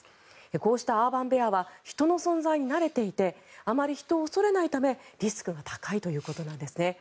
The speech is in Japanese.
こうしたアーバン・ベアは人の存在に慣れていてあまり人を恐れないためリスクが高いということなんです。